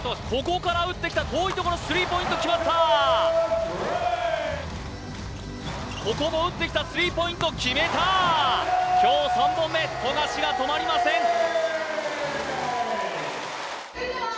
ここから打ってきた遠いところ３ポイント決まったここも打ってきた３ポイントを決めた今日３本目富樫が止まりません